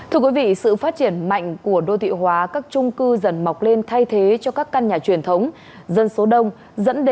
thưa quý vị sự phát triển mạnh của đô thị hóa các trung cư dần mọc lên thay thế cho các căn nhà truyền thống